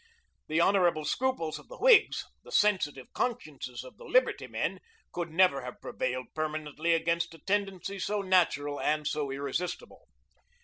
The honorable scruples of the Whigs, the sensitive consciences of the "Liberty" men, could never have prevailed permanently against a tendency so natural and so irresistible.